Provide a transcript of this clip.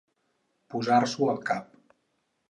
Posar-s'ho al cap.